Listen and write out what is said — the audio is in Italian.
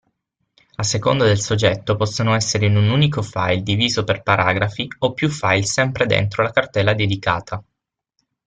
A seconda del soggetto possono essere in un unico file diviso per paragrafi o più file sempre dentro la cartella dedicata.